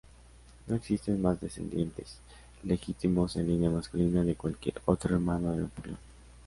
No existen más descendientes legítimos en línea masculina de cualquier otro hermano de Napoleón.